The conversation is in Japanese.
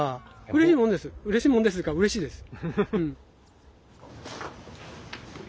うれしいもんですっていうかうれしいです。